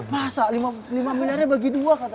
masa lima miliarnya bagi dua kata